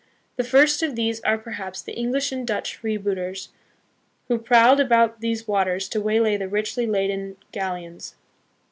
The first of these are perhaps the English and Dutch freebooters, who prowled about these waters to waylay the richly laden galleons.